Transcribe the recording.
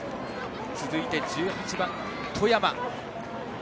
続いて１８番、富山。